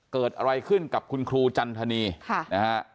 เกิดอะไรขึ้นกับคุณครูจันทนีค่ะนะฮะ